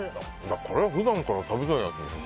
これは普段から食べたいやつです。